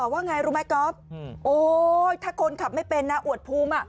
ว่าไงรู้ไหมก๊อฟโอ๊ยถ้าคนขับไม่เป็นนะอวดภูมิอ่ะ